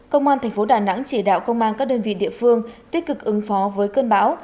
công an thành phố đà nẵng chỉ đạo công an các đơn vị địa phương tích cực ứng phó với cơn bão